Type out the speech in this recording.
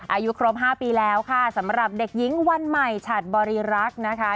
อายุครบ๕ปีแล้วค่ะสำหรับเด็กหญิงวันใหม่ฉัดบริรักษ์นะคะ